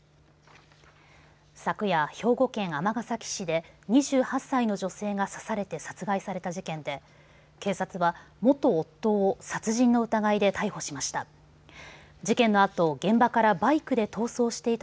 昨夜、兵庫県尼崎市で２８歳の女性が刺されて殺害された事件で警察は元夫を殺人の疑いで逮捕しました。